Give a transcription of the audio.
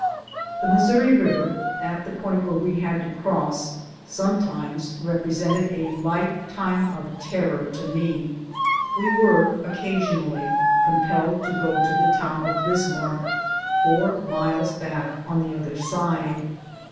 The Missouri River at the point where we had to cross sometimes represented a lifetime of terror to me. We were occasionally compelled to go to the town of Bismarck, four miles back on the other side.